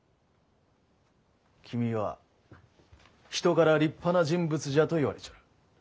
君は人から立派な人物じゃと言われちょる。